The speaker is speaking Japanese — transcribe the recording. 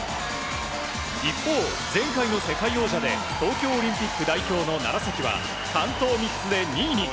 一方、前回の世界王者で東京オリンピック代表の楢崎は完登３つ目、２位に。